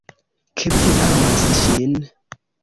Ke vi amas ŝin.